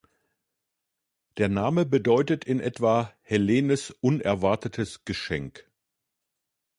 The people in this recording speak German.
Der Name bedeutet in etwa ‚Helenes unerwartetes Geschenk‘.